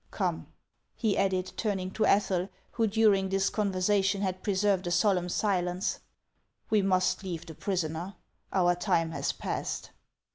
Come," he added, turning to Ethel, who during this conversation had preserved a solemn silence, "we must leave the prisoner. Our time has passed."